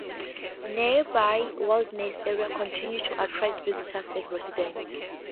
Nearby wilderness areas continue to attract visitors and residents.